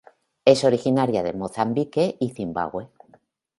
Es originaria de Mozambique y Zimbabue.